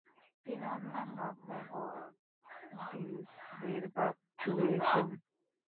তিনি অন্যান্য মুহদ্দিসদের বাদ দিয়েছেন।